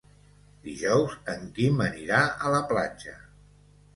Dijous en Quim anirà a la platja.